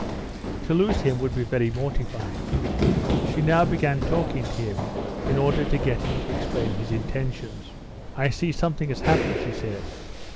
To lose him would be very mortifying. She now began talking to him in order to get him to explain his intentions. "I see something has happened," she said.